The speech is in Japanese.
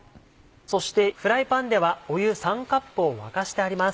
そしてフライパンでは湯３カップを沸かしてあります。